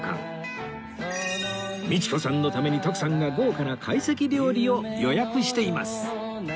道子さんのために徳さんが豪華な会席料理を予約しています！